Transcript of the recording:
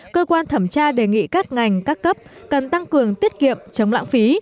cơ quan thẩm tra đề nghị các ngành các cấp cần tăng cường tiết kiệm chống lãng phí